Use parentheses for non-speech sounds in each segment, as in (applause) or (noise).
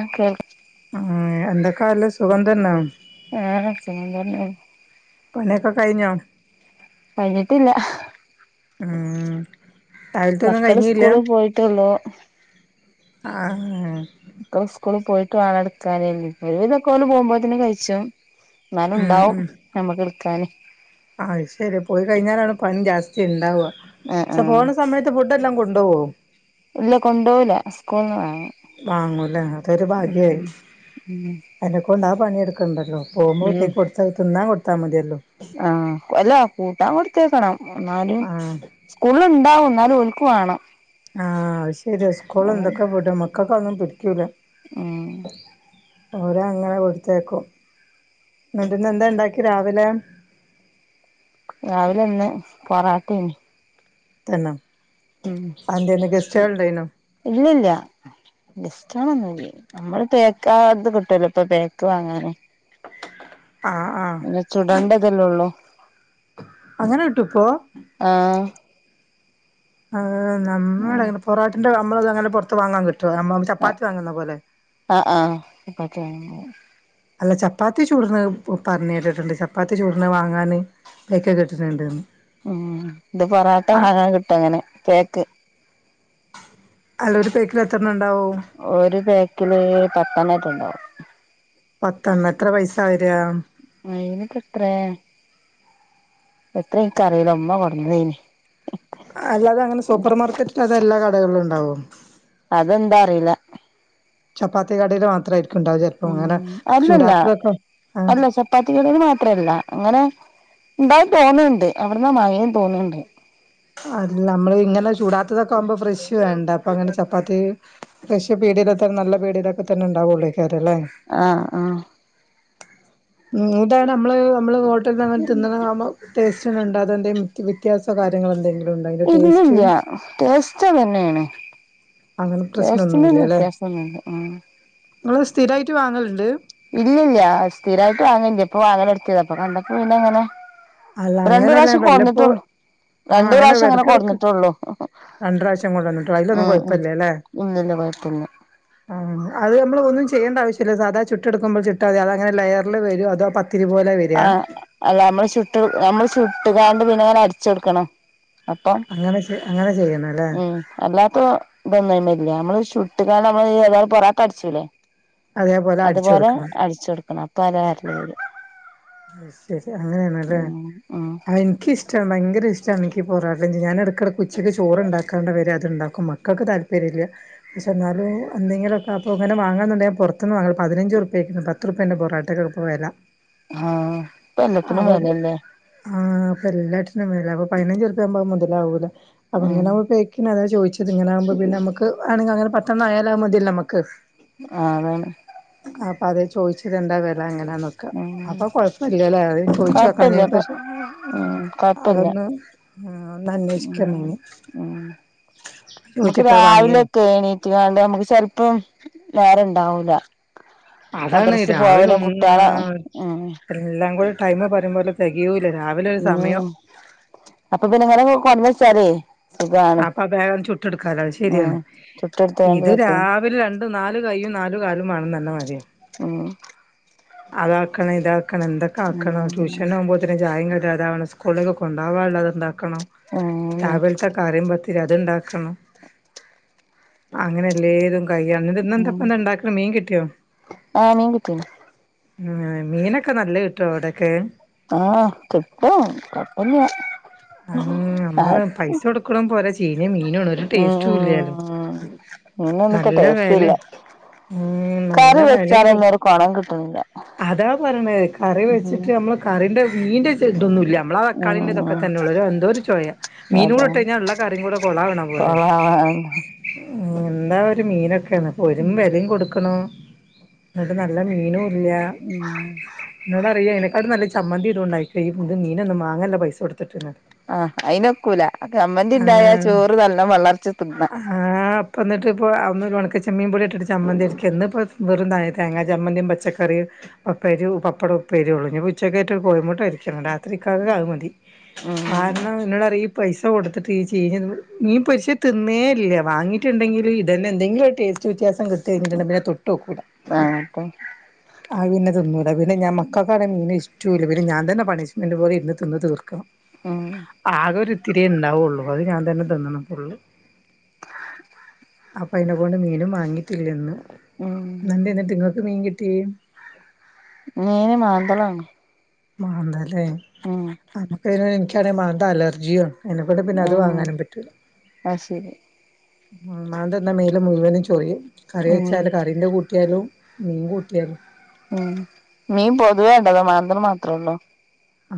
ആ കേൾ ആഹ് എന്തൊക്കാല സുഖം തന്നെ ആഹ് സുഖം തന്നെ പണിയൊക്കെ കഴിഞ്ഞോ കഴിഞ്ഞിട്ടില്ല ഉം രാവിലത്തൊന്നും മക്കള് കഴിഞ്ഞില്ല സ്കൂള് പോയിട്ടെള്ളു ആഹ് മക്കൾ സ്കൂളിൽ പോയിട്ട് വേണം എടുക്കാന് ഒരു വിധൊക്കെ ഓര് പോകുമ്പോത്തന്നെ കഴിച്ചു എന്നാല് ഇണ്ടാവും നമ്മക്ക് എടുക്കാന് അയ് ശരി പോയി കഴിഞ്ഞാലാണ് പണി ജാസ്തി ഉണ്ടാവുക ആ ആ പക്ഷെ പോണ സമയത്ത് ഇതെല്ലാം കൊണ്ടു പോകുവോ ഇല്ല കൊണ്ടുപോവില്ല സ്കൂള്ന്ന് വാങ്ങും വാങ്ങൂലേ അതൊരു ഭാഗ്യായി ഉം ഉം അതിനെ കൊണ്ട് ആ പണിയെടുക്കണ്ടല്ലോ പോകുമ്പോൾത്തേക്ക് കൊറച്ച് തിന്നാ കൊടുത്താ മതിയല്ലോ ആഹ് അല്ല കൂട്ടാൻ കൊടുത്തേക്കണം എന്നാലും ആഹ് സ്കൂളിൽ ഇണ്ടാവും എന്നാലും ഓല്ക്കു വേണം ആഹ് അയ്ശരിയാ സ്കൂൾ അതാണ് എന്തൊക്കെ മക്കൾക്ക് ഒന്നും പിടിക്കൂല ഉം ഓരോ അങ്ങനെ കൊടുത്തേക്കും എന്നിട്ടന്ന് എന്താ ഇണ്ടാക്കിയെ രാവിലെ രാവിലെ ഇന്ന് പൊറോട്ടേന് തന്നാ അതെന്താ ഇന്ന് ഗസ്റ്റ്കൾ ഇണ്ടായീനോ ഇല്ലില്ല ഡിസ്റ്റണൊന്നുമല്ല നമ്മള് പേക്കാത് കിട്ടലോ ഇപ്പൊ പേക്ക് വാങ്ങാന് ആഹ് ആഹ് പിന്നെ ചൂടണ്ടതല്ലേ ഉള്ളൂ അങ്ങനെ കിട്ടു ഇപ്പൊ ആഹ് ആ ഉം നമ്മളുടെ അങ്ങെ പൊറോട്ടൻ്റെ നമ്മ അത് അങ്ങനെ പുറത്ത് വാങ്ങാൻ പറ്റും അമ്മ ചപ്പാത്തി വാങ്ങുന്ന പോലെ ആഹ് ആഹ് ചപ്പാത്തി വാങ്ങുമ്പോ അല്ല ചപ്പാത്തി ചൂടിന് പറഞ്ഞ കേട്ടിട്ടുണ്ട് ചപ്പാത്തി ചൂടിന് വാങ്ങാന് തൈക്കെ കിട്ടുന്നുണ്ട്ന്ന് ഉം ഇത് പൊറോട്ട വഴ കിട്ടും അങ്ങനെ കേക്ക് അല്ലൊരു പേക്കില എത്രണം ഒരു പാക്കില് പത്തെണ്ണറ്റ ഉണ്ടാവും പത്തെണ്ണം എത്ര പൈസ വരാ അയിനക്കെത്രേ എത്രയും ക്കറീലറ മ്മ കൊടുന്നേനി അല്ലാതെ അങ്ങനെ സൂപ്പർ മാർക്കറ്റിൽ അതെ എല്ലാ കടകളിലും ഉണ്ടാവും അതെന്താ അറിയില്ല ചപ്പാത്തി കടേല് മാത്രായിരിക്കും ഉണ്ടാവ ചെലപ്പോ ഉ അങ്ങനെ അല്ലല്ല ചൂടാത്തതൊക്കെ ആഹ് അല്ല ചപ്പാത്തി ക മാ മാത്രല്ല അങ്ങനെ എന്തായി തോന്നണ്ട് അവിടന്ന മഴയും തോന്നിണ്ട് അല്ല നമ്മള് ഇങ്ങനെ ചൂടാത്തതൊക്കെ ആവുമ്പോ ഫ്രഷ് വേണ്ട അപ്പൊ അങ്ങനെ ചപ്പാത്തി ഫ്രഷ്‌ പീടിയേല തെ നല്ല പീടിയിലൊക്കെന്നെ ഉണ്ടാവൂള്ളേ ആഹ ആഹ ഉം ഇതാണ് നമ്മള് നമ്മള് ഹോട്ടലന്ന് അങ്ങനെ തിന്നണാമ്പോ ഭക്ഷണ ഉണ്ടാതെന്റെ വ്യത്യാസ കാര്യങ്ങ എന്തെങ്കിലും ഉണ്ടോ അതിന്റെ ടേസ്റ്റ് ഇല്ലില്ല ടേസ്തന്നെയാണ് അങ്ങനെ പ്രശ്നംന്നുമല്ല്യല്ലേ ഉം നിങ്ങള് സ്ഥിരായിട്ട് വാങ്ങലുണ്ട് ഇല്ലില്ല്യ. സ്ഥിരായിട്ട് വാങ്ങില്ല ഇപ്പൊ വാങ്ങല് ർത്തിയത പ്പൊ കണ്ടപ്പോ ന്നെ അങ്ങനെ അല്ല രണ്ടു അങ്ങനെയല്ല പ്രാവശ്യം വല്ലപ്പോ കൊറന്നിട്ടുള്ളു ആഹ് രണ്ടു പ്രാവശ്യം അങ്ങനെ ഇടക്കിടക്ക് കൊറന്നിട്ടുള്ളൂ രണ്ട് പ്രാവശ്യം കൊണ്ടുവന്നിട്ടോ ഉ അതിലൊന്നും ഉ ഇല്ലില്ല കൊഴത്തില്ല ആ് അത് നമ്മൾ ഒന്നും ചെയ്യേണ്ട ആവശ്യില്ലല്ല സാധാ ചുട്ട എടുക്കുമ്പോൾ ചിാ മതി അത അങ്ങനെ ലെയറൽ വരും അതോ പ ആ അല്ല നമ്മള് ചുട്ട നമ്മള് ചുട്ട കണ്ട് പിന്നെ അങ്ങനെ അരച്ച കൊടുക്കണം അപ്പം അങ്ങനെ അങ്ങനെ ചെയ്യണല്ലേ ഉം അല്ലാത്ത ഇതൊന്ന ഇല്ല നമ്മള് ചഷുട്ട ക നമ്മള് തായ പൊറ അടിച്ചുല്ലേ അതേപോലെ അടിച്ചു അതുപോലെ കൊടുക്കണം അടിച്ച കൊടുക്കണം അപ്പ അരല്ലര് ശരി അങ്ങനെയണല്ലേ ഉം എനിക്കിഷ്ട ഭയങ്കര ഇഷ്ട പക്ഷാണക്ക്ി പൊറരാട്ടം ഞാൻ എടുക്കടെ കൊച്ചിക്ക് ചോറ്ുണ്ടാക്കാണ്ട വര അതുണ്ടാക്കും മക്കൾക്ക് താല്പര്യമല്ല പക്ഷേ എന്നാലും എന്തങ്കിലൊക്കെ അപ്പോങ്ങെ വാങ്ങമുണ്ടെിൽ പുത്തന്ന്ാങ്ങാം പതിനഞ് രുപ്പക്കാണ് പത്ത്ുപ്പേൻറെ പൊറട്ടക്കെ പോും പോല ആഹ് ഇപ്പ എല്ലത്തിനും അപ്പൊ വെലല്ലേ ആഹ അപ്പൊ എല്ലായിടത്തുംും പതിനഞ് ചെറപ്പിയാുമ്പ മുതലാവൂല അപ്പൊ ഉം ഇങ്ങ ചോദിച്ചത് ഇങ്ങനെ ആകുമ്പോ പിന്നെ നമുക്ക് അങ്ങനെ പത്തന്ന നായാലാക മതിയേ നമ്മക്ക് ആതാണ് ആ അപ്പം അത്േ ചോദിച്ചിട്ട എന്താ വില എങ്ങനാ നോക്കുക ഉം കൊഴപ്പമില്ലല്ലേ അത ചോദിച്ച കൊഴപ്പല്ല വെക്കണം കൊ പക്ഷെ ഉം കൊഴപ്പല്ല അതൊന്ന് ആ ഒ അന്വേഷിക്കു ഉം ന്നേ ഉം നമുക്ക് രാവിലെ ഒക്കെ എണീറ്റ്ണ്ട് നമുക്ക് ചെിലപ്പം വേറെ ഇണ്ടാവൂല ആ അതാണ് രാവിലെ ഒന്ന് ഉം എല്ലാം കൂടി ടൈമ പറയോലെ തികയൂല്ല രാവിലെ ഒരു സമയം ഉം അപ്പൊ പിന്നെങ്ങനെ കൊന്ന വെച്ചാാലേ അപ്പൊ ബാഗന്ന് ചുട്ട എടുക്കാല ഉം ശെരിയാണ് ഇത് ചുട്ടെടുത്താണ്ടൊക്കെ രാവിലാണ് രണ്ട് നാല് കൈയും നാലു കാലും ആേണ തന്നെ മതി ആ അതാക്കണം ഇതാക്കണം എന്തൊക്കെ ആക്കണം ഉം ട്യൂഷൻ പോകുമ്പോത്തന്നെ ചായേം കടി സ്കൂളിലക്കെ കൊണ്ടകാനുള്ളത് ഉണ്ടാക്കണം ഉം രാവിലത്തെ കാഴി അത്ണ്ടാക്കണം അങ്ങനെ എല്ലാവരും കയ്യണ ഇന്ന് ഉം എന്തപ്പ എന്താ ഇണ്ടാക്കണ മീൻ കിട്ടിയോ ആഹ് മീൻ കിട്ടീണ് ഉം മീനൊക്കെ നല്ല കിട്ടോ അവിടെക്കെ ആ കിട്ടും കുഴപ്പം ഒന്നും ആഹ് ഇല്ല ആ നമ്മള് ഉ പൈസ കൊടുക്ക്ണും പോരാ ചീഞ്ഞ മീനുവാണ് ഒരു ഉ ഉ ടേസ്റ്റും ഇല്ലാലോ. ഇന്ന എനക്ക് നല്ല ടേസ്റ്റ് വെലെ ഇല്ല ഉം നല്ല കറി വെലിം വെച്ചാല കൊ ഒന്നരു കൊണം കിട്ടുന്നില്ല അതാ പറഞ്ഞണത് കറി വെച്ചിട്ട് നമ്മള് കറിന്റെ മീന്റെ ഇതൊന്നുമില്ല നമ്മളെ തക്കാളിന്റെ ഉം തൊക്കെ തന്നെള്ളൂ എന്തോ ഒരു ചോയാ മീനും കൂടെ അതാ ഇട്ടു കഴിഞ്ഞാ ഉള്ള കറിയും കൂടെ കൊളാ വണ പോലെ ആ എന്താ ഒരു മീനൊക്കെയാണ്പൊന്നും വിലയും കൊടുക്കണം എന്നിട്ട് നല്ല മീനും ഇല്ല ഉം എന്നോട് അറിയ അതിനെക്കാട് നല്ല ചി ചമ്മന്തി ഇതും ഉണ്ടായി കഴിഞ്ഞ് ഇന്ന് മീൻ ഒന്നും വാങ്ങല്ല പൈസ കൊടുത്തിട്ടുന്ന് ആ അയിനൊക്കൂല ചമ്മന്തി ഇണ്ടായാ ആഹ് ചോറ് നല്ല വളർച്ച തിന്ന ഒരു ഉണക്ക ചമ്മീൻ പൊടി ഇട്ട് ചമ്മന്തി അരക്ക എന്ന് ഇപ്പ വെറുതായി തേങ്ങ ചമ്മന്തിയും പച്ചക്ക കറി ഉപ്പേരിയും പപ്പടം ഉപ്പേരി ഉള്ളൂ ഇനിപ്പോ ഉച്ചയ്ക്കായിട്ട് ഒരു കോയി മൊട്ടപൊരിക്കണം രാത്രി ഇക്കകെ അത് മതി ഉം കാരണം എന്ന പൈസ കൊടുത്തിട്ട്ഈ ചീഞ്ഞ മീൻ പൊരിച്ചു തിന്നേ ഇല്ല വാങ്ങിട്ടുണ്ടെങ്കിൽ ഇതന്നെ എന്തെങ്കിലും ഒരു ടേസ്റ്റ് വ്യത്യാസം (unintelligible) പിന്നെ ആ അപ്പ ആ പിന്നെതിന്നൂല്ല പിന്നെ ഞാ മക്കക്കാണെ മീ ൻ ഇഷ്ടം റ്റൂല പിന്നെ ഞാൻ തന്നെ പണിഷ്മെന്റ് പോലെ ഇരിന്ന് തിന്ന് തീർക്കണം ഉം ആകെ ഇത്തിരിയേ ഉണ്ടാവുള്ളൂ അത് ഞാൻ തന്നെ തിന്നണം ഫുള്ള് അപ്പ അത്കൊണ്ട് മീനും വാങ്ങിട്ടില്ലന്ന് ഉം എന്നണ്ട് എന്നിട്ട് നിങ്ങക്ക് മീൻ കിട്ടി മീന് മാന്തളാണ് മാന്തല്ലേ ഉം നമ്മുക്ക് എനിക്കാണെ മാന്ത അലർജിയാണ് അതിനെകൊണ്ട് പിന്നെ അത് ഉം വാങ്ങാനും പറ്റൂല അത് ശരി മന്തൽ തിന്ന മേൽ മുഴുവനും ചൊറിയും കറി ഉം വെച്ചാല് കറിന്റെ കൂട്ടിയാലും മീൻ കൂട്ടിയാലും ഉം മീൻ പൊതുവേ ഉണ്ടോ അതോ മാന്തല് മാത്രേ ഉള്ളോ ആ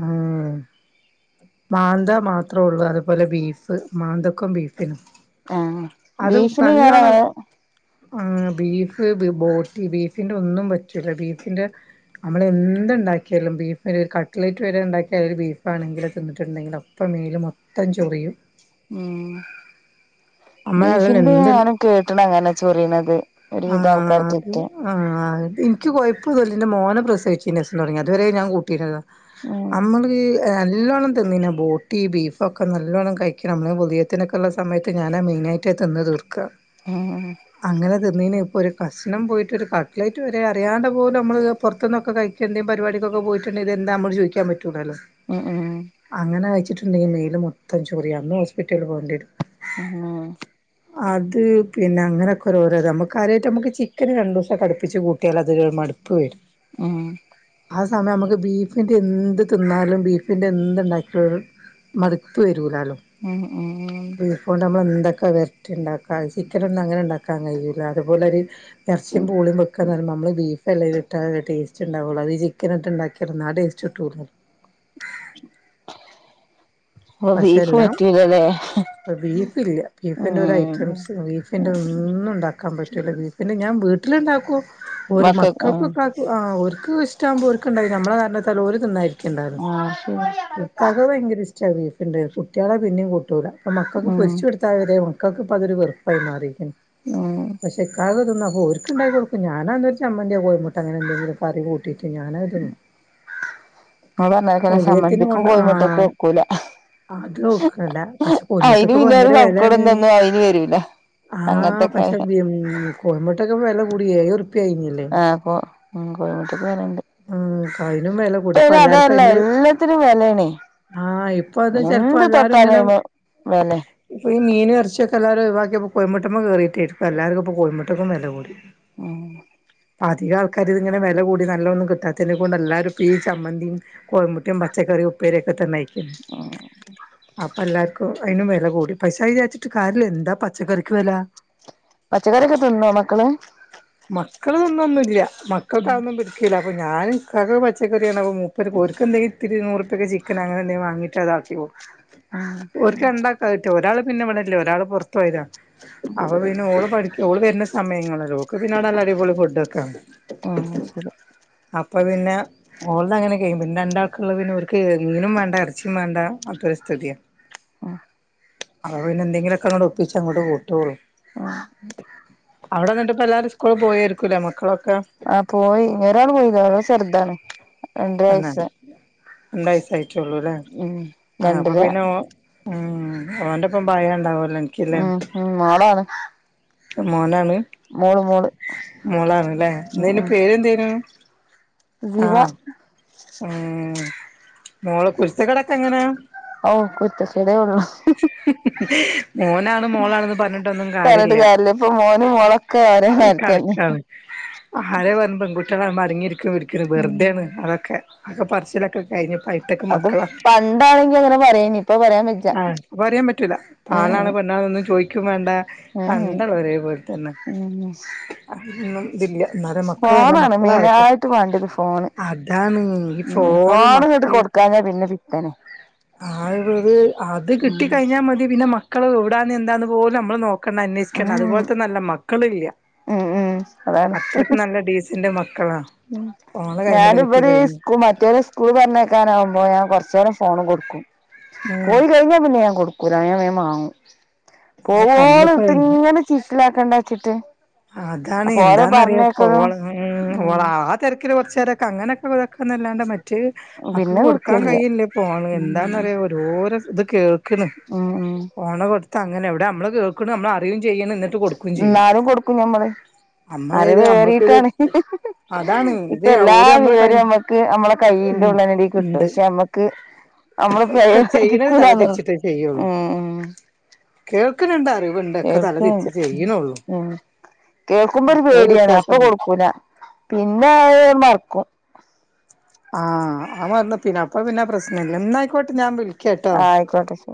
മാന്ത മാത്രേ ഉള്ളൂ അതുപോലെ ബീഫ് മാന്തക്കും ബീഫിനും ആ ഭീഷണി (unintelligible) ആ ബീഫ് ബോട്ടി ബീഫിന്റെ ഒന്നും പറ്റൂല ബീഫിന്റെ നമ്മള് എന്ത് ഉണ്ടാക്കിയാലും ബീഫ് കട്ട്ലേറ്റ് വരെ ഉണ്ടാക്കിയാല് ഒരു ബീഫാണെങ്കില് തിന്നിട്ടുണ്ടെങ്കിൽ അപ്പം മേല് മൊത്തം ചൊറിയും ഉം നമ്മളതിൽ ബീഫിന്റെ എന്ത് ഞാനും കേട്ടണ അങ്ങനെ ചൊറിയണത് ഒരുവിധ ആഹ് അത് ആൾക്കാർക്കൊക്കെ ആഹ് എനിക്ക് കുഴപ്പഒന്നും ഇല്ല എന്റെ എന്റെ മോന പ്രസവിച്ചന്ന് ശേഷം തുടങ്ങിതാ അതുവരെ ഞാൻ കൂട്ടിരുന്നതാ ഉം നമ്മള് നല്ലോണം തിന്നിന ബോട്ടി ബീഫുംക്കെ നല്ലോണ്ണം കഴിക്കണം നമ്മള് ഉദയത്തിനൊക്കെ ഉള്ള സമയത്ത് ഞാൻ മീ തിന്ന് തീർക്കും ഉം അങ്ങനെ തിന്നന് ഇപ്പൊ ഒരു കഷണം പോയിട്ട് ഒരു കട്ലൈറ്റ് വരെ അറിയാണ്ടെ അതു നമ്മൾ പുറത്തുന്നക്കെ കഴിക്കണ്ട പര് പാടിക്കൊക്കെ പോയിട്ടുണ്ടെ ഇത് ന്താന്ന് ചോദിക്കാൻ പറ്റോ ഉം ഉം അങ്ങനെ കഴിച്ചിട്ടുണ്ടെങ്കി മേൽ മൊത്തം ചൊറിയ അന്ന് ഹോസ്പിറ്റലിൽ പോകേണ്ടിവരും ആ അത് പിന്നെ അങ്ങനെ കുറഓരോരോ ഇത് നമുക്ക് കാര്യമായിട്ട് നമുക്ക് ചിക്കന് രണ്ട് ദിവസം അടുപ്പിച്ച് കൂട്ടിയാൽ അതൊരു മടുപ്പ് വരും ഉ ആ സമയം നമുക്ക് ബീഫിന്റെ എന്ത് തിന്നാലും ബീഫിന്റെ എന്ത്‌ ഉണ്ടാക്കുള്ള മടുപ്പ് വര ഉം ഉം ബീഫോണ്ട് ഞമ്മളെണ്ടൊക്കെ ഒക്കെ വെരറ്റ് ഉണ്ടാക്കാം ചിക്കൻ ഒന്നും അങ്ങനെ ഉണ്ടാക്കാൻ കഴയൂല അതുപോലെ ഒരു ഇറച്ചിയും പൂളയും വെക്കാ നമ്മള് ബീഫല്ലേത്ട്ട ടേസ്റ്റ് ഉണ്ടാവുള്ള അത്ഈ ചിക്കൻ ഉണ്ടാക്കിയ ടെസ്റ്റ്‌ കിട്ടുള്ളൂ ഓ ബീഫ് പറ്റല്ലല്ലേ അപ്പ ബീഫല്ല ബീഫിന്റെ ഒരു ഐറ്റംസ് ബീഫിന്റെ ഒന്നും ഉണ്ടാക്കാൻ പറ്റൂല ബീഫിന്റെ ഞാൻ വീട് വീട്ടിലുണ്ടാക്കുവ ഒരു മക്ക ആഹ് മക്കൾക്കൊക്കൊക്ക ആ ഇഷ്ടകുമ്പോക്കണ്ടും നമ്മളെ കാരണല ഒരുര് ആഹ് ശരി തിന്നായിരിക്കണ്ടുംക്കെക്കാക്ക ക്ക് ഭയങ്കര ഇഷ്ട ചെവീഫുണ്ട് കുട്ടികളെ പിന്നെയും കൂട്ടൂല അപ്പം മക്കൾക്ക് ഉം പൊരിച്ചു കൊടുത്താൽ വരെ മക്കൾക്ക് അപ്പ അതൊരു വെറുപ്പായി മായിരിക്കും ഉം പക്ഷെ കാക്ക തിന്ന അപ്പൊ ഒർക്കുണ്ടക്കി കൊടുക്കും ഞാനാ ചമ്മന്ദ്യോ കോഴിമുട്ട് അങ്ങനെ എന്തെങ്കിലും കറി കൂട്ടിയിട്ട് ഞാനതതിന്നു ങ്ങള് പറഞ്ഞ ക്കെയ് സമന്ദിക്കഉം ആ കോഴിമുട്ട ഒക്കെ ഒ ക്കൂല അത് നോക്കല്ല പക്ഷെ കൊയ്മുട്ടക്ക് ഇപ്പ പിന്നെ ഒരു ഭയങ്കര വിലയാണ് കണക്കോടും ഇതൊന്നും അയിന് വരൂല ആഹ അങ്ങനത്തൊക്കെ പക്ഷെ കോയമ്പുട്ടൊക്കെ വില കൂടിയ യിഞ്ഞല്ലേ ആഹ് അപ്പൊ ഉം കോഴിമുട്ടക്ക് വെലണ്ട് ആ അതിനും വില കൂടി ഇപ്പ അയിന് എല്ലാർക്കും അതല്ല അതി എല്ലാത്തിനും വെലേണേ ആഹ ഇപ്പ അത ചെല പ്പോ എന്ത് എല്ലരും തൊട്ടാലും ഇങ്ങനെ അയിമെ വെലേ ഈ മീനും ഏറെച്ചിം ഒക്കെ എല്ലാരും ഓയ്‌വാക്കിയപ്പോ കോയമുട്ടമ്മം കയറിയിട്ടായിരിക്ക എല്ലാവർും ഇപ്പോ കോയമുട്ടക്കും വില കൂടി ആഹ അപ്പ അധിക ആൾക്കാരി ഇങ്ങന വില അധികം ആൾക്കാരും ഇത് ങ്ങനെ കൂടി നല്ല ഒന്നും കിട്ടത്തതിനെ കൊണ്ട് എല്ലാരും ഈ ചമ്മന്തിയും കോയമ്പമുട്ടും പച്ചക്ക ഉപേരക്കക്കതന്നെനെയ്ക്കും അപ്പ എല്ലർക്കും അതിനും വില കൂടി പൈസ വിചാരിച്ചിട്ട് കാരില് എന്താ പച്ചക്കറിക്ക് വില പച്ചക്കറിയൊക്കെ തിന്നോ മക്കള് മക്കൾ ഒന്നുംതിന്നോന്നുല്ല ഉം മക്കൾക്ക്അതൊന്നും പറ്റൂല അപ്പോൾ ഞും കക പച്ചക്കറിയാണ് ഞാൻ ഇക്കാക്ക ക്ക് പച്ചക്കറി ആണ് അപ്പോൾ മുപ്പർ ക്ക് ഓർക്ക് എന്തെില ഇത്തിരിൂറപ്പക്ക ചിക്കൻ അങ്ങനെ എന്തെങ്കും വാങ്ങിട്ട് അങ്ങോട്ടാകും ക്ക ഉണ്ടാക്കാ പറ്റ ഒരാൾ പിന്നെ ഇവിടെല്ലേ ഒരാള് പുൊറത്ത പോരാ അവപ്പ പിന്നെ ഓള് പഠിക്ക ഓള് വരുന്ന സമയങ്ങളല്ലോ ഒ പിന്നെ ആട നല്ല അടി പൊളി ഫുഡ് ഒക്കാണ്. ആഹ് ശരി അപ്പ പിന്നെ മോള്തങ്ങനെ കയ്യും പിന്നെ രണ്ടാൾക്ക്ള്ളത് പിന്നെ ഓല്ക്ക് മീനും മാണ്ട എറച്ചിം മാണ്ട (unintelligible) ചെടിയാ ആഹ് അഹ് പിന്നെ എന്തെിലൊക്കങ്ങട്ട് ഒപ്പിച്ചങ്ങോട്ട് കൂട്ട്യോളും ആഹ് ഇപ്പെല്ലാരും സ്കൂള് പോയേരുക്കുലെ മക്കളൊ ആഹ് പോയി ഇഞ്ഞൊരാള് പോയിലാ ഓരാള് ചെറ്താണ് തന്നെ രണ്ടയ്സായിറ്റോള്ളുല്ലേ ഉം ആഹ് അപ്പ രണ്ടര പിന്നെ ഓ ഉം ഓന്റെപ്പം പായണ്ടാവോ ഉം ഉം മോളാണ് മോനാണ് മോള് മോള് മോളാണ്ല്ലേ ഉം എന്തേനു ഉം പേരെന്തേനു സിവ ആഹ് ഉം മോള് കുര്ത്തക്കേടെ ഓഹ് കുരുത്തക്കേടേ ഉള്ളൂ ഉം മോനാണ് മോളാണ്ന്ന് പറ്ഞ്ഞിട്ടൊന്നും പറഞ്ഞിട്ട് കാര്യല്ല ഇപ്പൊ മോനും മോളൊക്കെ ഒരേ (unintelligible) മാരിക്കന്നെ കണക്കാണ് ഹാരേ പറ്ഞ്ഞ് പെൺകു ട്ടിളാവുമ്പം അടങ്ങിയിരിക്കും ഇരിക്കും ഉം വെറുതേണ് അതൊക്കെ ആഹ് ഒക്കെ പറച്ചിലൊക്കെ കഴിഞ്ഞ് പ്പ ഹൈടെക് അത് മക്കളാ പണ്ടാണെങ്കി അങ്ങനെ പറയേനി ഇപ്പൊ പറയാൻ വെജ്ജ ആഹ് പറിയാൻ പറ്റൂല ഉം ആണാണ് പെ ണ്ണാണോന്ന് ചോയിക്കും വാണ്ട ഉം രണ്ടാളും ഒരേ പോല്ത്തന്നെ ഉം അഹിലൊന്നും ഇതില്ല ഇന്നാലും മക്കള് നല്ല ഫോണാണ് മക്കളാവട്ടെ മെയിനായിട്ട് വാണ്ടിയത് ഫോണ് അതാണ് ഈ ഉം ഫോണ് ഫോണ്ങ്ങട്ട് മക്ക കൊട്ക്കാഞ്ഞാ പിന്നെ പിത്തനെ (unintelligible) അത് ഉം കിട്ടികഴിഞ്ഞാ മതി പിന്നെ മക്കള് എവ്ടാന്ന് എന്താന്ന് പോലും നമ്മള് നോ ക്കണ്ട ഉം അന്വേഷിക്കണ്ട അതുപോല്ത്ത നല്ല മക്കളില്ല ഉം ഉം അതാണ് അത്രക്ക് നല്ല ഡീസന്റ് മ ക്കളാ ഫോണ് കൈയ്മല് ഞാന് ഇവര് കിട്ടികഴിഞ് സ്കൂ മറ്റേവരെ സ്കൂള് പറഞ്ഞേക്കാനാവുമ്പോ ഞാൻ കുറച്ചനേരം ഫോൺ കൊടുക്കും ഉം പോയി കഴിഞ്ഞാ പിന്നെ ഞൻ കൊടുക്കൂല ഞൻ വേകം മാങ്ങും അല്ല പോവോള് ഇട്ട് കണ്ണിപ്പ ഇങ്ങനെ ചീറ്റ്ലാക്കണ്ട വെച്ചിട്ട് അതാണ് എന്താന്നറിയപ്പോ ഓളാ ഉം ഒളാ തിരക്കക്ക് കുറുരൊക്കെ അങ്ങനൊക്കെതക്കുന്ന അല്ലാണ്ട് മ റ്റ് ആക്ക് പിന്നെ കൊടുക്കാൻ കൊടുക്കലില്ല കഴിയില്ലേ ഫോണ് എന്താന്ന ഉം പറയാ ഓരോരോ ഇത് കേൾ ക്ക് ഉം ഉം ഫോണ് കൊടുത്ത അങ്ങനെ എവിടെ നമ്മള് കേൾക്ക നമ്മള് അറി ചെയ്യണ് എന്നിട്ട് കൊടുക്കുകയും ചെയ്യും ക്കും ഞമ്മള് നമ്മളെ ഇത് അറിവ് നമ്മക്കിത് ഏറിട്ടാണ് അതാണ് ഇത് ഇപ്പം എല്ലാ ഓര് നമ്മളെ ക വിവരവും നമ്മക്ക് നമ്മളെ കൈയ്യി യ്യ്ന്റെ ഉം ഉള്ളനടി കിട്ടും ഇണ്ട് പക്ഷെ നമ്മുക്ക് നമ്മളപ്പോ ഒക്കെ ചെയ്യണത് തല കിക്കൂലാന്ന് തിരിച്ചിട്ടേ ഉം കേൾക്കണ്ട് അറിവുണ്ടൊക്കെ തല തിരിച്ച കേൾക്കണ്ട് ചെയ്യുണെള്ളൂ ഉം കേൾക്കുമ്പോ ഒരു പേടിയാണ് അപ്പൊ കൊടുക്കൂല പിന്നെ അയ് മറക്കും ആഹ് ആ (unintelligible) പിന്നെ അപ്പ പിന്നെ പ്രശ്ന ഇന്നായിക്കോട്ട് ഞാൻ വിളിക്കട്ടോ ആയിക്കോട്ടെ ശരി